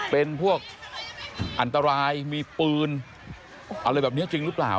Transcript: เป็นพวกอันตรายมีปืนอะไรแบบนี้จริงหรือเปล่า